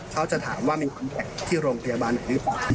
เขาจะถามว่ามีคนแท็กที่โรงพยาบาลอีกหรือเปล่า